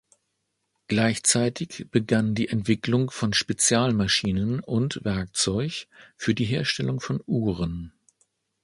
Gleichzeitig begann die Entwicklung von Spezialmaschinen und -werkzeug für die Herstellung von Uhren.